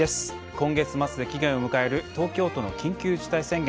今月末で期限を迎える東京都の緊急事態宣言。